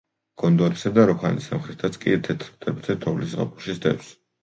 გონდორისა და როჰანის სამხრეთითაც კი თეთრ მთებზე თოვლი ზაფხულშიც დევს.